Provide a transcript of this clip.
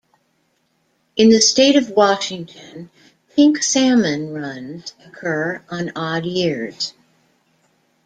In the state of Washington, Pink salmon runs occur on odd years.